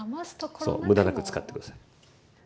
そう無駄なく使って下さい。